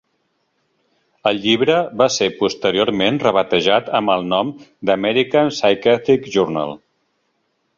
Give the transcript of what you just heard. El llibre va ser posteriorment rebatejat amb el nom d'American Psychiatric Journal.